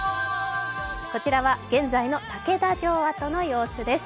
こちらは現在の竹田城跡の様子です。